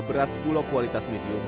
beras bulok kualitas medium